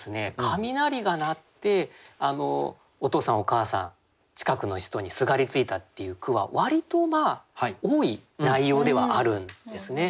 雷が鳴ってお父さんお母さん近くの人にすがりついたっていう句は割と多い内容ではあるんですね。